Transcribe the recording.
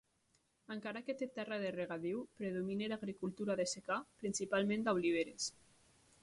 Encara que té terra de regadiu, predomina l'agricultura de secà principalment d'oliveres.